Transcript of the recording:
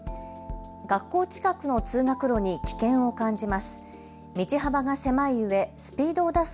学校近くの通学路に危険を感じます。